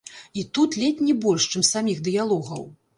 Іх тут ледзь не больш, чым саміх дыялогаў.